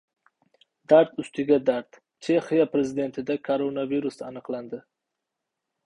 Dard ustiga dard: Chexiya Prezidentida koronavirus aniqlandi